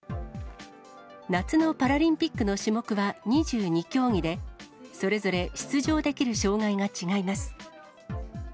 夏のパラリンピックの種目は２２競技で、それぞれ出場できる障がいが違います。